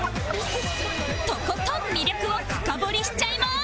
とことん魅力を深掘りしちゃいます